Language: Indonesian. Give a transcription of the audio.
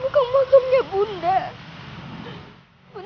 orang yang tadi siang dimakamin